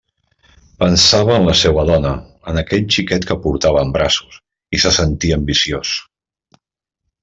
Pensava en la seua dona, en aquell xiquet que portava en braços, i se sentia ambiciós.